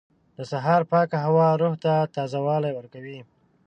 • د سهار پاکه هوا روح ته تازهوالی ورکوي.